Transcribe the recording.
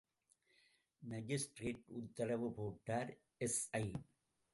Magistrate உத்தரவு போட்டார் SI!